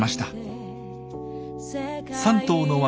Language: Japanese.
３頭の若